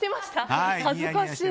恥ずかしい！